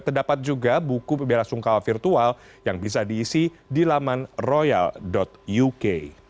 terdapat juga buku bella sungkawa virtual yang bisa diisi di laman royal uk